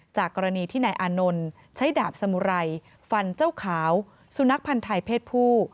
กรณีที่นายอานนท์ใช้ดาบสมุไรฟันเจ้าขาวสุนัขพันธ์ไทยเพศผู้